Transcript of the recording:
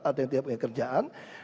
ada yang tidak punya kerjaan